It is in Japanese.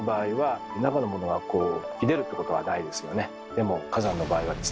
でも火山の場合はですね